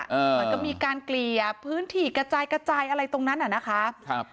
เหมือนกับมีการเกลี่ยพื้นที่กระจายกระจายอะไรตรงนั้นอ่ะนะคะครับ